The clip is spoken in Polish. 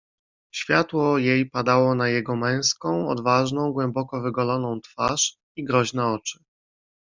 "Światło jej padało na jego męską, odważną, gładko wygoloną twarz i groźne oczy."